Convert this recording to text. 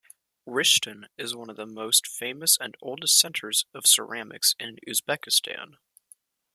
Rishton is one of the most famous and oldest centers of ceramics in Uzbekistan.